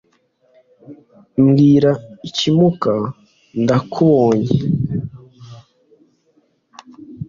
mbwira icyimuka ndakubonye